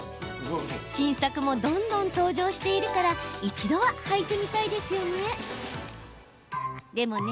新作もどんどん登場しているから一度は履いてみたいですよね？